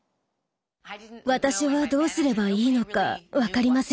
私はどうすればいいのか分かりませんでした。